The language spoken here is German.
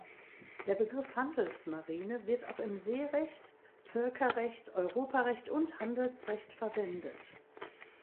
Der Begriff Handelsmarine wird auch im Seerecht, Völkerrecht, Europarecht und Handelsrecht verwendet.